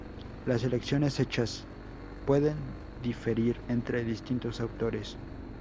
Las elecciones hechas pueden diferir entre distintos autores.